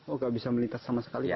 oh gak bisa melintas sama sekali pak ya